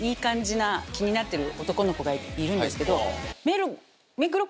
気になってる男の子がいるんですけど。